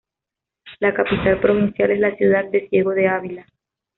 La capital provincial es la ciudad de Ciego de Ávila.